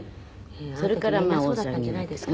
あの時みんなそうだったんじゃないですか？